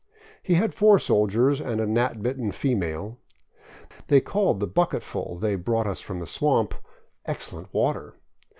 He had four soldiers and a gnat bitten female. They called the bucketful they brought us from a swamp, " excellent water."